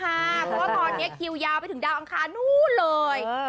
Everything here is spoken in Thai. เพราะว่าตอนนี้คิวยาวไปถึงดาวอังคารนู้นเลย